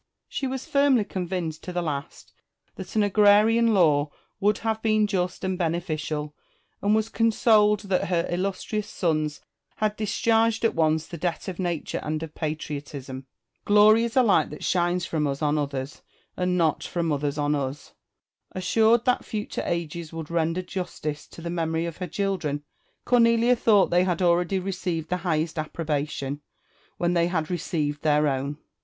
She was firmly convinced to the last that an agrarian law would have been just and beneficial, and was consoled that her illustrious sons had discharged at once the debt of nature and of patriotism. Glory is a light that shines from us on others, and not from others on us. Assured that future ages would render justice to the memory of her children, Cornelia thought they had already received the highest approbation, when they had received their own.